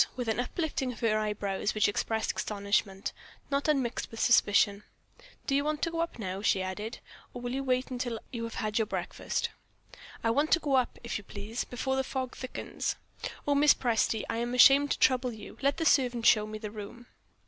with an uplifting of her eye brows which expressed astonishment not unmixed with suspicion. "Do you want to go up now?" she added, "or will you wait till you have had your breakfast?" "I want to go up, if you please, before the fog thickens. Oh, Mrs. Presty, I am ashamed to trouble you! Let the servant show me the room."